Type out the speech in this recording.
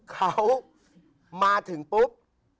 เขามาถึงปุ๊บ